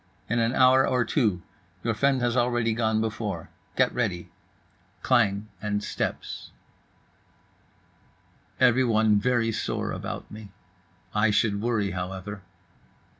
—"In an hour or two: your friend has already gone before. Get ready." Klang and steps. Everyone very sore about me. I should worry, however.